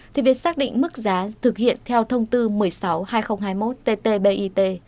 thì việc xác định mức giá thực hiện theo thông tư một mươi sáu hai nghìn hai mươi một tt bit